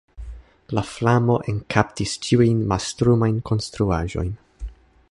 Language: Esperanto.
La flamo ekkaptis ĉiujn mastrumajn konstruaĵojn.